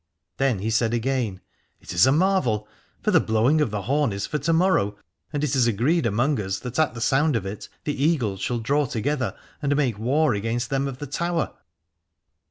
Then he said again : It is a marvel : for the blowing of the horn is for to morrow, and it is agreed among us that at the sound of it the Eagles shall draw together and make war against them of the Tower.